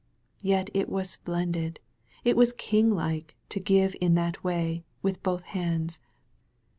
Yet it was splendid, it was King like to give in that way, with both hands.